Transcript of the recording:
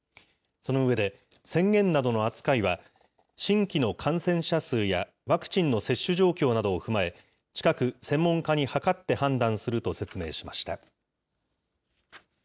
その上で、宣言などの扱いは、新規の感染者数やワクチンの接種状況などを踏まえ、近く専門家に諮って判断すると説明しました。